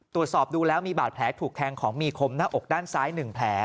ตรวจสอบดูแล้วมีบาดแผลถูกแทงของมีคมหน้าอกด้านซ้าย๑แผล